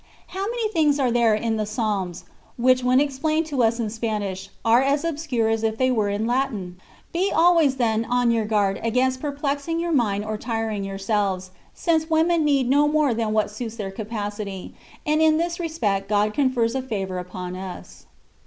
How many things are there in the Psalms, which, when explained to us in Spanish, are as obscure as if they were in Latin? Be always, then, on your guard against perplexing your mind or tiring yourselves, since women need no more than what suits their capacity ; and in this respect God con fers a favour upon us.